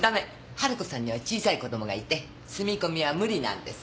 春子さんには小さい子供がいて住み込みは無理なんです。